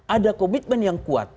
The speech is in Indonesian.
ada komitmen yang kuat